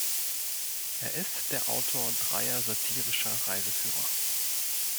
Er ist der Autor dreier satirischer Reiseführer.